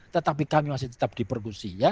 tetapi kami masih tetap diperkusi